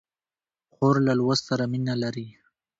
خور له لوست سره مینه لري.